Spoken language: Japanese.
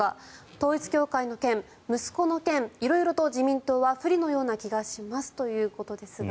統一教会の件、息子の件色々と自民党は不利のような気がしますということですが。